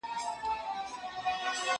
زه خواړه نه ورکوم،